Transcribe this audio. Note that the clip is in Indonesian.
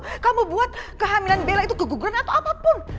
bagaimana kamu bisa buat kehamilan bella itu keguguran atau apapun